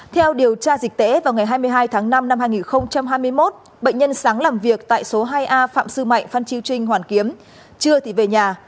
theo điều tra dịch tễ vào ngày hai mươi hai tháng năm năm hai nghìn hai mươi một bệnh nhân sáng làm việc tại số hai a phạm sư mạnh phan chiêu trinh hoàn kiếm chưa thì về nhà